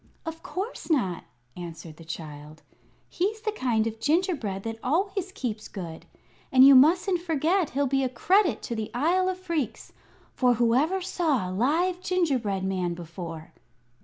"Of course not," answered the child. "He's the kind of gingerbread that always keeps good. And you mustn't forget he'll be a credit to the Isle of Phreex; for whoever saw a live gingerbread man before?"